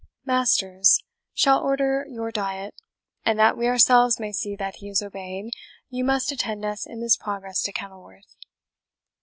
Masters shall order your diet; and that we ourselves may see that he is obeyed, you must attend us in this progress to Kenilworth."